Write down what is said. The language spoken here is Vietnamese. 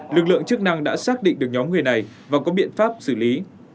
lực lượng chức năng đã xác định được nhóm người này và có biện pháp xử lý